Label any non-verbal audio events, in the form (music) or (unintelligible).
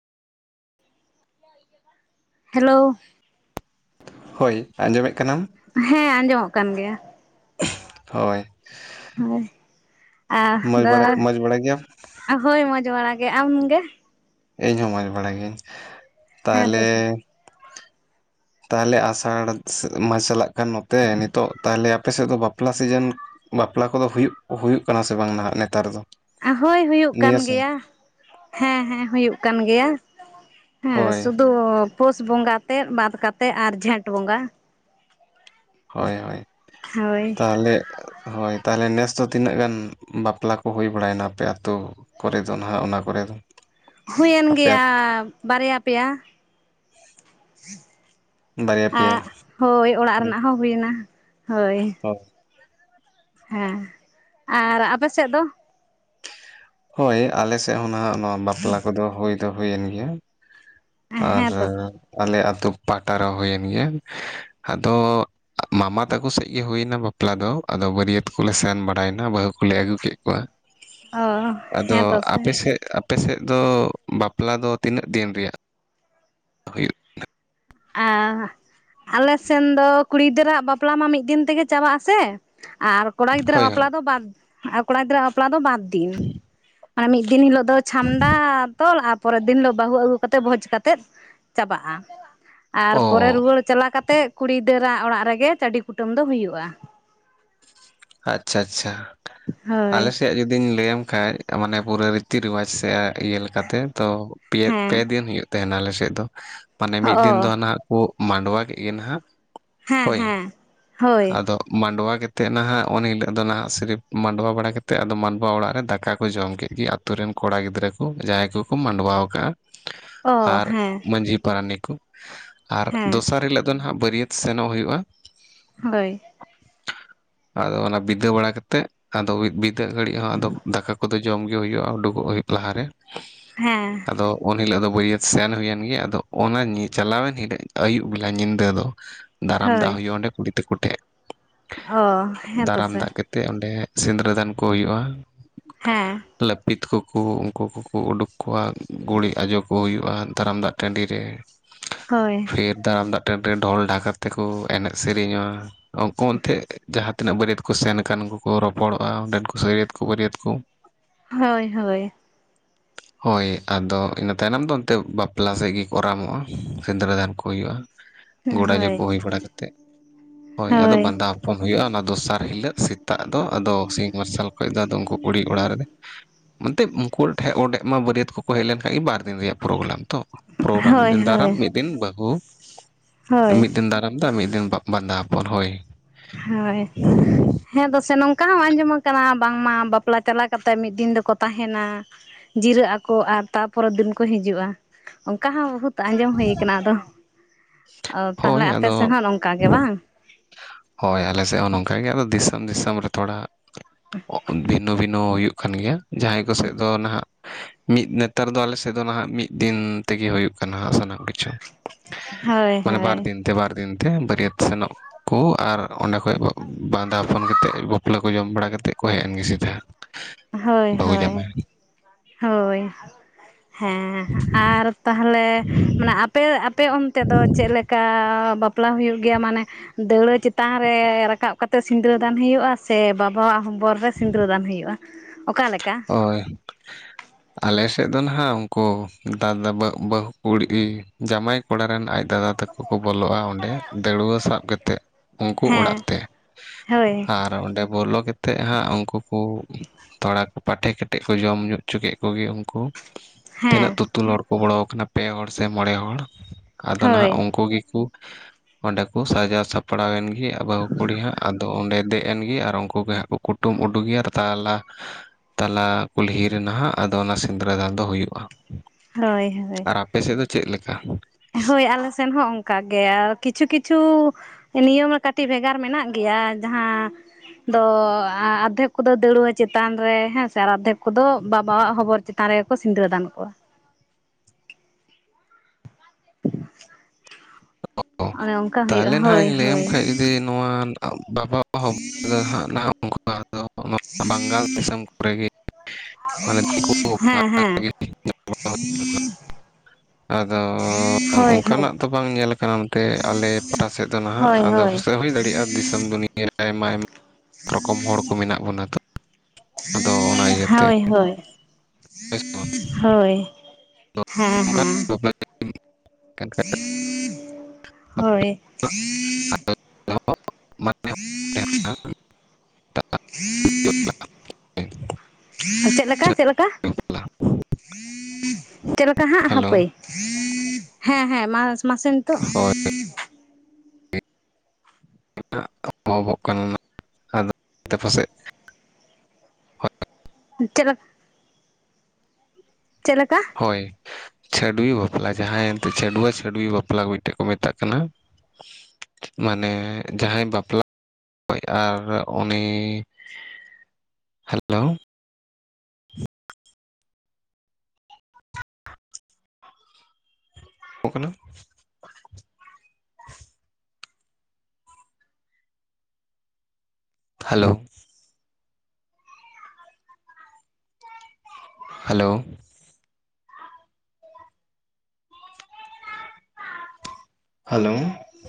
Hello ᱦᱳᱭ ᱟᱸᱡᱚᱢᱮᱫ ᱠᱟᱱᱟᱢ ᱦᱮᱸ ᱟᱸᱡᱚᱢᱚᱜ ᱠᱟᱱ ᱜᱮᱭᱟ ᱦᱳᱭᱼᱼ ᱦᱳᱭ ᱢᱚᱡᱽ ᱵᱟᱲᱟ ᱢᱚᱡᱽ ᱵᱟᱲᱟ ᱜᱮᱭᱟᱢ ᱟᱫᱚ ᱦᱳᱭ ᱢᱚᱡᱽ ᱵᱟᱲᱟ ᱜᱮ ᱟᱢ ᱜᱮ? ᱤᱧ ᱦᱚᱸ ᱢᱚᱸᱡᱽ ᱵᱟᱲᱟ ᱜᱤᱭᱟᱹᱧ ᱦᱮᱸ ᱛᱟᱦᱚᱞᱮᱼᱼ ᱛᱚ ᱛᱟᱦᱚᱞᱮ ᱟᱥᱟᱲ ᱪᱟᱞᱟᱜ ᱠᱟᱱ ᱱᱚᱛᱮ ᱱᱤᱛᱚᱜ ᱛᱟᱦᱚᱞᱮ ᱟᱯᱮ ᱥᱮᱫ ᱫᱚ ᱵᱟᱼᱼ ᱵᱟᱯᱞᱟ ᱥᱤᱡᱤᱱ ᱵᱟᱯᱞᱟ ᱠᱚᱫᱚ ᱦᱩᱭᱩᱜ ᱦᱩᱭᱩᱜ ᱠᱟᱱᱟ ᱥᱮ ᱵᱟᱝ ᱱᱟᱦᱟᱜ ᱱᱮᱛᱟᱨ ᱫᱚ? ᱦᱳᱭ ᱦᱩᱭᱩᱜ ᱠᱟᱱ ᱱᱤᱭᱟᱹ ᱥᱚᱢᱚᱭ ᱜᱮᱭᱟ ᱦᱮᱸ ᱦᱮᱸ ᱦᱩᱭᱩᱜ ᱠᱟᱱ ᱜᱮᱭᱟ᱾ ᱦᱮᱸ ᱦᱳᱭ ᱥᱩᱫᱩ ᱯᱩᱥ ᱵᱚᱸᱜᱟ ᱛᱮᱫ ᱵᱟᱫᱽ ᱠᱟᱛᱮᱫ ᱟᱨ ᱡᱷᱮᱸᱴ ᱵᱚᱸᱜᱟ᱾ ᱦᱳᱭ ᱦᱳᱭ ᱦᱳᱭ ᱛᱟᱦᱚᱞᱮᱼᱼ ᱦᱳᱭ ᱛᱟᱦᱚᱞᱮ ᱱᱮᱥ ᱫᱚ ᱛᱤᱱᱟᱹᱜ ᱜᱟᱱ ᱵᱟᱯᱞᱟ ᱠᱚ ᱦᱩᱭ ᱵᱟᱲᱟᱭᱱᱟ ᱟᱯᱮ ᱟᱛᱳᱼᱼ ᱠᱚᱨᱮ ᱫᱚ ᱱᱟᱦᱟᱜ ᱚᱱᱟ ᱠᱚᱨᱮ ᱫᱚ? ᱦᱩᱭᱮᱱ ᱟᱯᱮᱭᱟᱜ ᱜᱮᱭᱟ ᱵᱟᱨᱭᱟ ᱯᱮᱭᱟ᱾ ᱵᱟᱨᱭᱟ ᱯᱮᱭᱟ ᱟᱨ ᱦᱳᱭ ᱚᱲᱟᱜ ᱨᱮᱱᱟᱜ ᱦᱚᱸ ᱦᱩᱭᱮᱱᱟ ᱦᱳᱭ᱾ (unintelligible) ᱦᱮᱸ ᱟᱨ ᱟᱯᱮ ᱥᱮᱫ ᱫᱚᱼᱼ ᱦᱳᱭ ᱟᱞᱮ ᱥᱮᱫ ᱦᱚᱸ ᱱᱟᱦᱟᱜ ᱱᱚᱣᱟ ᱵᱟᱯᱞᱟ ᱠᱚᱫᱚ ᱦᱩᱭ ᱫᱚ ᱦᱩᱭᱮᱱ ᱜᱮᱭᱟ᱾ ᱟᱨ ᱦᱮᱸ ᱛᱚ ᱟᱞᱮ ᱟᱹᱛᱩ ᱯᱟᱦᱴᱟ ᱨᱮ ᱦᱩᱭᱮᱱ ᱜᱮᱭᱟ, ᱟᱫᱚᱼᱼ ᱢᱟᱢᱟ ᱛᱟᱠᱚ ᱥᱮᱫ ᱜᱮᱤ ᱦᱩᱭᱱᱟ ᱵᱟᱯᱞᱟ ᱫᱚ ᱟᱫᱚ ᱵᱟᱹᱨᱭᱟᱹᱛ ᱠᱚᱞᱮ ᱥᱮᱱ ᱵᱟᱲᱟᱭᱱᱟ, ᱵᱟᱹᱦᱩ ᱠᱚᱞᱮ ᱟᱹᱜᱩ ᱠᱮᱫ ᱠᱚᱣᱟ᱾ ᱚᱻ ᱟᱫᱚ ᱟᱯᱮ ᱥᱮᱫ ᱟᱯᱮ ᱥᱮᱜ ᱫᱚ ᱵᱟᱯᱞᱟ ᱫᱚ ᱛᱤᱱᱟᱹᱜ ᱫᱤᱱ ᱨᱮᱭᱟᱜ ᱦᱩᱭᱩᱜ ᱟ ᱟᱞᱮ ᱥᱮᱱ ᱫᱚ ᱠᱩᱲᱤ ᱜᱤᱫᱟᱹ ᱨᱟᱜ ᱵᱟᱯᱞᱟ ᱢᱟ ᱢᱤᱫ ᱫᱤᱱ ᱛᱮᱜᱮ ᱪᱟᱵᱟᱜ ᱟᱥᱮ, ᱟᱨ ᱠᱚᱲᱟ ᱜᱤᱫᱟᱹ ᱨᱟᱜ ᱦᱳᱭ ᱦᱳᱭ ᱵᱟᱯᱞᱟ ᱫᱚ ᱵᱟᱫ ᱠᱚᱲᱟ ᱜᱤᱫᱟᱹ ᱨᱟᱜ ᱵᱟᱯᱞᱟ ᱫᱚ ᱵᱟᱫ ᱫᱤᱱ, ᱢᱟᱱᱮ ᱢᱤᱫ ᱫᱤᱱ ᱦᱤᱞᱳᱜ ᱫᱚ ᱪᱷᱟᱢᱰᱟ ᱛᱚᱞ ᱟ ᱯᱚᱨᱮᱫ ᱫᱤᱱ ᱞᱳᱜ ᱵᱟᱹᱦᱩ ᱟᱹᱜᱩ ᱠᱟᱛᱮᱜ ᱵᱷᱚᱡᱽ ᱠᱟᱛᱮ ᱪᱟᱵᱟᱜ-ᱟ᱾ ᱟᱨ ᱚ ᱯᱚᱨᱮ ᱨᱩᱣᱟᱹᱲ ᱪᱟᱞᱟ ᱠᱟᱛᱮ ᱠᱩᱲᱤᱫᱟᱹᱨᱟᱜ ᱚᱲᱟᱜ ᱨᱮᱜᱮ ᱪᱟᱹᱰᱤ ᱠᱩᱴᱟᱹᱢ ᱫᱚ ᱦᱩᱭᱩᱜ-ᱟ᱾ ᱟᱪᱪᱷᱟ ᱟᱪᱪᱷᱟ, ᱦᱳᱭ ᱟᱞᱮᱥᱮᱭᱟᱜ ᱡᱩ ᱡᱩᱫᱤᱧ ᱞᱟᱹᱭᱟᱢ ᱠᱷᱟᱡ ᱢᱟᱱᱮ ᱯᱩᱨᱟᱹ ᱨᱤᱛᱤ ᱨᱮᱣᱟᱡᱽ ᱥᱮ ᱤᱭᱟᱹ ᱞᱮᱠ ᱠᱟᱛᱮ ᱛᱚ ᱯᱮ ᱯᱮ ᱦᱮᱸ ᱫᱤᱱ ᱦᱩᱭᱩᱜ ᱛᱟᱦᱮᱸᱱᱟ ᱟᱞᱮ ᱥᱮᱜ ᱫᱚ, ᱢᱟᱱᱮ ᱢᱤᱫ ᱫᱤᱱ ᱫᱚ ᱚ ᱚᱱᱟ ᱠᱩᱜ ᱢᱟᱸᱰᱣᱟ ᱠᱮᱫ ᱜᱮ ᱱᱟᱦᱜ, ᱦᱮᱸ ᱦᱮᱸ ᱦᱳᱭ ᱟᱫᱚ ᱢᱟᱰᱣᱟ ᱠᱮᱛᱮᱫ ᱱᱟᱦᱟᱜ ᱚᱱ ᱦᱤᱞᱳᱜ ᱫᱚ ᱱᱟᱦᱜ ᱥᱤᱨᱤᱯ ᱢᱟᱰᱣᱟ ᱵᱟᱲᱟ ᱠᱟᱛᱮ ᱟᱫᱚ ᱢᱟᱰᱣᱟ ᱚᱲᱟᱜ ᱨᱮ ᱫᱟᱠᱟ ᱠᱚ ᱡᱚᱢ ᱠᱮᱫ ᱜᱮ ᱛᱩ ᱨᱮᱱ ᱠᱚᱲᱟ ᱜᱤᱫᱽᱨᱟᱹ ᱠᱩ ᱡᱟᱦᱟᱸᱭ ᱠᱚᱠᱚ ᱢᱟᱰᱣᱟᱣ ᱠᱟᱜ-ᱟ᱾ ᱚ ᱟᱨ ᱦᱮᱸ ᱢᱟᱹᱡᱷᱤ ᱯᱟᱨᱟᱱᱤ ᱠᱩ᱾ ᱟᱨ ᱦᱮᱸ ᱫᱚᱥᱟᱨ ᱦᱤᱞᱳᱜ ᱫᱚ ᱱᱟᱦᱜ ᱵᱟᱹᱨᱭᱟᱹᱛ ᱥᱮᱱᱚᱜ ᱦᱩᱭᱩᱜ-ᱟ᱾ ᱦᱳᱭ ᱟᱫᱚ ᱚᱱᱟ ᱵᱤᱫᱟᱹ ᱵᱟᱲᱟ ᱠᱟᱛᱮᱜ ᱟᱫᱚ ᱵᱤᱫᱟᱹ ᱜᱷᱟᱹᱲᱤᱡ ᱦᱚᱸ ᱟᱫᱚ ᱫᱟᱠᱟ ᱠᱚᱫᱚ ᱡᱚᱢ ᱜᱮ ᱦᱩᱭᱩᱜ-ᱟ ᱩᱰᱩᱠᱚᱜ ᱦᱩᱭᱩᱜ ᱞᱟᱦᱟᱨᱮ, ᱦᱮᱸ ᱟᱫᱚ ᱩᱱ ᱦᱤᱞᱳᱜ ᱫᱚ ᱵᱟᱹᱭᱟᱹᱛ ᱥᱮᱱ ᱦᱩᱭᱮᱱ ᱜᱮ, ᱟᱫᱚ ᱚᱱᱟ ᱪᱟᱞᱟᱣᱮᱱ ᱦᱤᱞᱟᱹᱜ ᱟᱹᱭᱩᱵ ᱵᱮᱞᱟ ᱧᱤᱫᱟᱹ ᱫᱚ ᱫᱟᱨᱟᱢ ᱫᱟᱜ ᱦᱳᱭ ᱦᱩᱭᱩᱜ-ᱟ ᱚᱸᱰᱮ ᱠᱩᱲᱤ ᱛᱟᱠᱚ ᱴᱷᱮᱡ, ᱚ ᱦᱮᱸ ᱛᱚ ᱫᱟᱨᱟᱢ ᱥᱮ ᱫᱟᱜ ᱠᱟ ᱛᱮᱜ ᱚᱸᱰᱮ ᱥᱤᱫᱽᱨᱟᱹ ᱫᱟᱱ ᱠᱚ ᱦᱩᱭᱩᱜ-ᱟ᱾ ᱦᱮᱸ ᱞᱟᱹᱯᱤᱛ ᱠᱚᱠᱩ ᱩᱱᱠᱩ ᱠᱩᱠᱩ ᱩᱰᱩᱠ ᱠᱚᱣᱟ ᱜᱩᱲᱤᱡ ᱟᱡᱚᱜ ᱠᱚ ᱦᱩᱭᱩᱜ-ᱟ ᱫᱟᱨᱟᱢ ᱫᱟᱜ ᱴᱟᱺᱰᱤᱨ ᱨᱮ᱾ ᱦᱳᱭ ᱵᱤᱨ ᱫᱟᱨᱟᱢ ᱫᱟᱜ ᱴᱟᱺᱰᱤ ᱨᱮ ᱰᱷᱚᱞ ᱰᱷᱟᱠᱟᱛ ᱛᱮᱠᱚ ᱮᱱᱮᱡ ᱥᱮᱨᱮᱧᱟ, ᱩᱱᱠᱩ ᱚᱱᱛᱮ ᱡᱟᱦᱟᱸ ᱛᱤᱱᱟᱹᱜ ᱵᱟᱹᱨᱭᱟᱹᱛ ᱠᱩ ᱥᱮᱱ ᱠᱟᱱ ᱩᱱᱠᱩ ᱠᱚ ᱨᱚᱯᱚᱲᱚᱜ-ᱟ, ᱚᱸᱰᱮᱱ ᱠᱚ ᱥᱟᱹᱨᱭᱟᱹᱛ ᱠᱩ ᱵᱟᱹᱨᱭᱟᱹᱛ ᱠᱩ ᱦᱳᱭ ᱦᱳᱭ ᱦᱚᱭ, ᱟᱫᱚ ᱤᱱᱟᱹ ᱛᱟᱭᱱᱚᱢ ᱫᱚ ᱚᱱᱛᱮ ᱵᱟᱯᱞᱟ ᱥᱮᱜ ᱜᱤ ᱠᱚ ᱨᱟᱢᱚᱜ-ᱟ ᱥᱤᱸᱫᱽᱨᱟᱹ ᱫᱷᱟᱱ ᱠᱚ ᱦᱩᱭᱩᱜ-ᱟ᱾ ᱜᱚᱰᱟ ᱡᱚᱠᱚ ᱦᱳᱭ ᱦᱩᱭ ᱵᱟᱲᱟ ᱠᱟᱛᱮᱜ᱾ ᱦᱳᱭ, ᱟᱫᱚ ᱵᱟᱸᱫᱟ ᱯᱚᱱ ᱦᱩᱭᱩᱜ-ᱟ, ᱚᱱᱟ ᱫᱚᱥᱟᱨ ᱦᱤᱞᱟᱹᱜ ᱥᱤ ᱛᱟᱜ ᱫᱚ ᱟᱫᱚ ᱥᱤᱧ ᱢᱟᱨᱥᱟᱞ ᱠᱷᱚᱡ ᱫᱚ ᱟᱫᱚ ᱩᱱᱠᱩ ᱠᱩᱲᱤ ᱚᱲᱟᱜ ᱨᱮ ᱢᱱᱛᱮ ᱩᱱᱠᱩ ᱴᱷᱮᱡ ᱚᱰᱸᱮᱜ ᱢᱟ ᱵᱟᱹᱨᱭᱟᱹᱛ ᱠᱚᱠᱚ ᱦᱮᱡ ᱞᱮᱱᱠᱷᱟᱡ ᱜᱮ ᱵᱟᱨ ᱫᱤᱱ ᱨᱮᱭᱟᱜ ᱯᱨᱳᱜᱞᱟᱢ ᱛᱚ᱾ ᱯᱨᱳᱜᱨᱟᱢ ᱢᱤᱫ ᱫᱤᱱ ᱫᱟᱨᱟᱢ ᱦᱳᱭ ᱢᱤᱫ ᱫᱤᱱ ᱵᱟᱹᱦᱩ ᱦᱳᱭ ᱢᱤᱫ ᱫᱤᱱ ᱫᱟᱨᱟᱢ ᱫᱟᱜ ᱢᱤᱫ ᱫᱤᱱ ᱵᱟᱸᱫᱟ ᱯᱚᱱ ᱦᱳᱭ ᱦᱳᱭ ᱦᱮᱸ ᱫᱚᱥᱮ ᱱᱚᱝᱠᱟ ᱦᱚᱸ ᱟᱸᱡᱚᱢ ᱟᱠᱟᱱᱟ ᱵᱟᱝᱢᱟ ᱵᱟᱯᱞᱟ ᱪᱟᱞᱟ ᱠᱟᱛᱮᱜ ᱢᱤᱫ ᱫᱤᱱ ᱫᱚᱠᱚ ᱛᱟᱦᱮᱱᱟ᱾ ᱡᱤᱨᱟᱹᱜ ᱟᱠᱚ ᱟᱨ ᱛᱟᱯᱚᱨᱮᱨ ᱫᱤᱱ ᱠᱚ ᱦᱤᱡᱩᱜ-ᱟ ᱚᱝᱠᱟ ᱦᱚᱸ ᱵᱩᱦᱩᱛ ᱛᱚ ᱟᱸᱡᱚᱢ ᱦᱩᱭ ᱠᱟᱱᱟ ᱟᱫᱚ, ᱚ ᱛᱟᱦᱞᱮ ᱟᱯᱮ ᱥᱮᱱ ᱦᱚᱸᱜ ᱱᱚᱝᱠᱟ ᱜᱮ ᱵᱟᱝ᱾ ᱦᱚᱭ ᱟᱞᱮ ᱥᱮᱜ ᱦᱚᱸ ᱱᱚᱝᱠᱟ ᱜᱮ ᱟᱫᱚ ᱫᱤᱥᱚᱢ ᱫᱤᱥᱚᱢ ᱨᱮ ᱛᱷᱚᱲᱟ ᱵᱷᱤᱱᱱᱚ ᱵᱷᱤᱱᱚ ᱦᱩᱭᱩᱜ ᱠᱷᱟᱱ ᱜᱮᱭᱟ, ᱡᱟᱦᱟᱸᱭ ᱠᱚᱥᱮᱫ ᱫᱚ ᱱᱟᱦᱟᱜ ᱢᱤᱫ ᱱᱮᱛᱟᱨ ᱫᱚ ᱟᱞᱮ ᱥᱮᱫ ᱫᱚ ᱱᱟᱦᱟᱜ ᱢᱤᱫ ᱫᱤᱱ ᱛᱮᱜᱮ ᱦᱩᱭᱩᱜ ᱠᱟᱱᱟ ᱦᱟᱸᱜ ᱥᱟᱱᱟᱢ ᱠᱤᱪᱷᱩ᱾ ᱦᱳᱭ ᱢᱟᱱᱮ ᱵᱟᱨ ᱦᱳᱭ ᱫᱤᱱ ᱛᱮ ᱵᱟᱨ ᱫᱤᱱ ᱛᱮ ᱵᱟᱹᱨᱭᱟᱛ ᱥᱮᱱᱚᱜ ᱠᱚ ᱟᱨ ᱚᱸᱰᱮ ᱠᱷᱚᱡ ᱵᱟᱸᱫᱟᱯᱚᱱ ᱠᱟᱛᱮ ᱵᱟᱯᱞᱟᱹ ᱠᱚ ᱡᱚᱢ ᱵᱟᱲᱟ ᱠᱟᱛᱮ ᱠᱚ ᱦᱮᱡ ᱮᱱ ᱜᱮ ᱥᱤᱫᱷᱟᱹ᱾ ᱦᱳᱭ-ᱦᱳᱭ, ᱦᱳᱭ ᱦᱮᱸᱻ ᱟᱨ ᱛᱟᱦᱞᱮ ᱢᱟᱱᱮ ᱟᱯᱮ-ᱟᱯᱮ ᱚᱱᱛᱮ ᱫᱚ ᱪᱮᱫ ᱞᱮᱠᱟ ᱵᱟᱯᱞᱟ ᱦᱩᱭᱩᱜ ᱜᱮᱭᱟ ᱢᱟᱱᱮ ᱫᱟᱹᱣᱲᱟᱹ ᱪᱮᱛᱟᱱ ᱨᱮ ᱨᱟᱠᱟᱵ ᱠᱟᱛᱮᱜ ᱥᱤᱱᱫᱨᱟᱹᱫᱟᱱ ᱦᱳᱭᱳᱜᱼᱟ ᱥᱮ ᱵᱟᱵᱟᱣᱟᱜ ᱦᱚᱵᱚᱨ ᱨᱮ ᱥᱤᱱᱫᱨᱟᱹᱫᱟᱱ ᱦᱳᱭᱳᱜᱼᱟ᱾ ᱚᱠᱟ ᱞᱮᱠᱟ? ᱦᱳᱭ ᱟᱞᱮ ᱥᱮᱫ ᱫᱚ ᱱᱟᱦᱟᱜ ᱩᱱᱠᱩ ᱫᱟᱫᱟ ᱵᱟᱹᱦᱩ ᱠᱩᱲᱤ ᱡᱟᱢᱟᱭ ᱠᱚᱲᱟ ᱨᱮᱱ ᱟᱡ ᱫᱟᱫᱟ ᱛᱟᱠᱚ ᱠᱚ ᱵᱚᱞᱚᱜᱼᱟ ᱚᱸᱰᱮ ᱫᱟᱹᱲᱩᱣᱟᱹ ᱥᱟᱵ ᱠᱟᱛᱮᱫ ᱩᱱᱠᱩ ᱚᱲᱟᱜ ᱦᱮᱸ ᱛᱮ ᱦᱳᱭ ᱟᱨ ᱚᱰᱮ ᱵᱚᱞᱚ ᱠᱟᱛᱮᱫ ᱛᱮᱫ ᱦᱟᱸᱜ ᱩᱱᱠᱩ ᱠᱚ ᱛᱚᱲᱟ ᱠᱚ ᱯᱟᱴᱮ ᱠᱟᱮᱴᱮᱫ ᱠᱚ ᱡᱚᱢ ᱧᱚᱜ ᱦᱚᱪᱚ ᱠᱮᱫ ᱠᱚ ᱜᱮ ᱩᱱᱠᱩ ᱦᱮᱸ ᱛᱤᱱᱟᱹᱜ ᱛᱩ-ᱛᱩᱞ ᱦᱚᱲ ᱠᱚ ᱵᱚᱞᱚ ᱠᱟᱱᱟ ᱯᱮ ᱦᱚᱲ ᱥᱮ ᱢᱚᱬᱮ ᱦᱚᱲ ᱟᱫᱚ ᱦᱳᱭ ᱱᱟᱦᱟᱜ ᱩᱱᱠᱩ ᱜᱮᱠᱚ ᱚᱸᱰᱮ ᱠᱚ ᱥᱟᱡᱟᱣ ᱥᱟᱯᱲᱟᱣ ᱮᱱ ᱵᱟᱹᱦᱩ ᱠᱩᱲᱤ ᱦᱟᱸᱜ ᱟᱫᱚ ᱚᱸᱰᱮ ᱫᱮᱡ ᱮᱱ ᱜᱮ ᱟᱨ ᱩᱱᱠᱩ ᱜᱮ ᱦᱟᱸᱜ ᱠᱚ ᱠᱩᱴᱩᱢ ᱩᱰᱩᱠᱮᱭᱟ ᱟᱨ ᱛᱟᱦᱞᱮ ᱛᱟᱞᱟ ᱠᱩᱞᱦᱤ ᱨᱮᱱᱟᱦᱟᱜ ᱟᱫᱚ ᱚᱱᱟ ᱥᱤᱸᱫᱽᱨᱟᱹ ᱫᱟᱱ ᱫᱚ ᱦᱩᱭᱩᱜᱼᱟ᱾ ᱦᱳᱭ-ᱦᱳᱭ ᱟᱨ ᱟᱯᱮ ᱥᱮᱫ ᱫᱚ ᱪᱮᱫ ᱞᱮᱠᱟ? ᱦᱳᱭ ᱟᱞᱮ ᱥᱮᱱ ᱦᱚᱸ ᱚᱱᱠᱟ ᱜᱮ ᱟᱨ ᱠᱤᱪᱷᱩ-ᱠᱤᱪᱷᱩ ᱱᱤᱭᱚᱢ ᱢᱟ ᱠᱟᱹᱴᱤᱡ ᱵᱷᱮᱜᱟᱨ ᱢᱮᱱᱟᱜ ᱜᱮᱭᱟ ᱡᱟᱦᱟᱸ ᱫᱚ ᱟᱫᱷᱮᱠ ᱠᱚᱫᱚ ᱫᱟᱹᱲᱣᱟᱹ ᱪᱮᱛᱟᱱ ᱨᱮ ᱦᱮᱸ ᱥᱮ ᱟᱨ ᱟᱫᱷᱮᱠ ᱠᱚᱫᱚ ᱵᱟᱵᱟᱣᱟᱜ ᱦᱚᱵᱚᱨ ᱪᱮᱛᱟᱱ ᱪᱮᱛᱟᱱ ᱨᱮᱜ ᱠᱚ ᱥᱤᱸᱫᱽᱨᱟᱹ ᱫᱟᱱ ᱠᱚᱣᱟ᱾ ᱪᱮᱫ ᱦᱚᱸ ᱵᱟᱝ ᱟᱸᱡᱚᱢ ᱴᱷᱤᱠᱟᱹᱜ ᱠᱟᱱᱟ ᱾ ᱛᱟᱦᱞᱮ ᱱᱟ ᱦᱟᱸᱜ ᱦᱳᱭ ᱤᱧ ᱞᱟᱹᱭ ᱟᱢ ᱦᱳᱭ ᱠᱷᱟᱡ ᱡᱩᱫᱤ ᱱᱚᱣᱟ ᱵᱟᱵᱟ ᱦᱚᱵᱚᱨ ᱫᱚ ᱦᱟᱸᱜ ᱵᱟᱝᱜᱟᱞ ᱫᱤᱥᱚᱢ ᱠᱚᱨᱮ ᱜᱮ ᱢᱟᱱᱮ ᱫᱤᱠᱩ ᱦᱮᱸᱻ ᱦᱮᱸᱻ ᱟᱫᱚᱻ ᱚᱱᱠᱟᱱᱟᱜ ᱫᱚ ᱵᱟᱝ ᱧᱮᱞ ᱟᱠᱟᱱᱟ ᱱᱚᱛᱮ ᱟᱞᱮ ᱯᱟᱦᱴᱟ ᱥᱮᱫ ᱫᱚ ᱦᱳᱭ ᱦᱳᱭ ᱱᱟᱦᱟᱜ ᱫᱤᱥᱚᱢ ᱫᱩᱱᱤᱭᱟᱹ ᱟᱭᱢᱟ-ᱟᱭᱢᱟ ᱨᱚᱠᱚᱢ ᱦᱚᱲ ᱠᱚ ᱢᱮᱱᱟᱜ ᱵᱚᱱᱟ ᱛᱚ ᱟᱫᱚ ᱚᱱᱟ ᱤᱭᱟᱹᱛᱮ ᱦᱳᱭ-ᱦᱳᱭ ᱦᱳᱭ ᱥᱮ ᱵᱟᱝ ᱦᱳᱭ ᱦᱮᱸᱻᱦᱮᱸᱻ ᱪᱮᱫ ᱦᱚᱸ ᱵᱟᱝ ᱟᱸᱡᱚᱢ ᱴᱷᱤᱠᱟᱹᱜ ᱠᱟᱱᱟ ᱾ ᱦᱳᱭ ᱪᱮᱫ ᱦᱚᱸ ᱵᱟᱝ ᱟᱸᱡᱚᱢ ᱴᱷᱤᱠᱟᱹᱜ ᱠᱟᱱᱟ ᱾ ᱪᱮᱫ ᱞᱮᱠᱟ-ᱪᱮᱫ ᱞᱮᱠᱟ ᱪᱮᱫ ᱞᱮᱠᱟ ᱦᱟᱜ ᱦᱮᱞᱳ ᱦᱟᱯᱮ ᱦᱮᱸᱻᱦᱮᱸᱻ ᱢᱟ ᱢᱟᱥᱮ ᱱᱤᱛᱚᱜ ᱦᱳᱭ ᱵᱷᱚᱸ-ᱵᱷᱚᱸ ᱠᱟᱱᱟ ᱟᱫᱚ ᱚᱱᱟᱛᱮ ᱯᱟᱥᱮᱫ ᱪᱮᱫ ᱞᱮᱠᱟ ᱪᱮᱫ ᱞᱮᱠᱟ ᱦᱳᱭ ᱪᱷᱟᱹᱰᱩᱭ ᱵᱟᱯᱞᱟ ᱡᱟᱦᱟᱸᱭ ᱮᱱ ᱛᱮ ᱪᱟᱹᱰᱣᱟᱹ ᱪᱷᱟᱹᱰᱩᱭ ᱵᱟᱯᱞᱟ ᱢᱤᱫ ᱴᱟᱝ ᱠᱚ ᱢᱮᱛᱟᱜ ᱠᱟᱱᱟ᱾ ᱢᱟᱱᱮ ᱡᱟᱦᱟᱸᱭ ᱵᱟᱯᱞᱟ ᱦᱚᱭ ᱟᱨ ᱩᱱᱤ ᱦᱮᱞᱳ ᱚᱯᱱᱟ ᱦᱮᱞᱳ ᱦᱮᱞᱳ ᱦᱮᱞᱳ